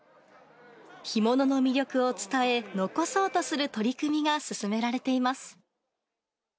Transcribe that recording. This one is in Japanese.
干物の魅力を伝え、残そうとする取り組みが進められています。